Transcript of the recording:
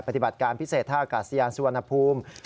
ปฏิบัติการพิเศษท่ากาศยานสุวรรณภูมิ